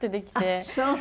ああそう。